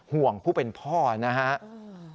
ห่วงผู้เป็นพ่อนะครับ